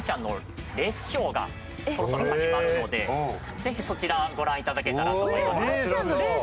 ぜひそちら、ご覧いただけたらと思います。